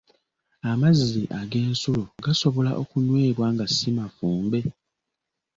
Amazzi ag'ensulo gasobola okunywebwa nga si mafumbe?